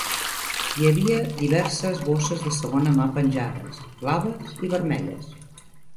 Hi havia diverses bosses de segona mà penjades, blaves i vermelles.